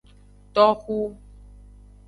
Toxu.